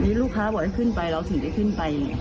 นี่ลูกค้าบอกให้ขึ้นไปเราถึงได้ขึ้นไป